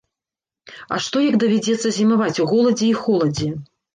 А што як давядзецца зімаваць у голадзе і холадзе?